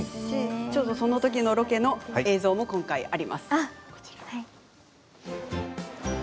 その時のロケの映像もあります。